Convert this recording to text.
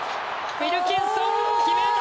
ウィルキンソン、決めた！